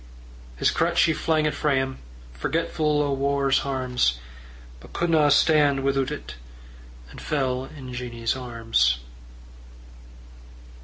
His crutch he flang it frae him, Forgetful o' war's harms; But couldna stan' withoot it, And fell in Jeannie's arms.